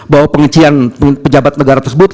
bahwa pengisian pejabat negara tersebut